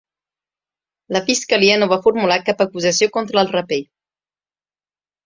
La fiscalia no va formular cap acusació contra el raper.